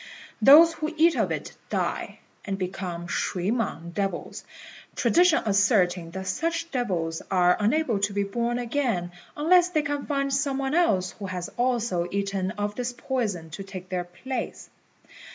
Those who eat of it die, and become shui mang devils, tradition asserting that such devils are unable to be born again unless they can find some one else who has also eaten of this poison to take their place.